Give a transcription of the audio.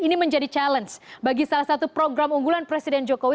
ini menjadi challenge bagi salah satu program unggulan presiden jokowi